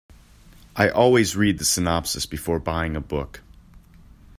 I always read the synopsis before buying a book.